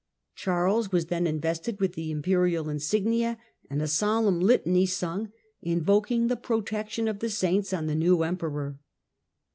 Charles was then invested with the Imperial insignia and a solemn litany sung, invoking the protection of the saints on the new Emperor.